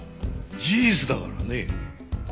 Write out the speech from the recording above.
事実だからね。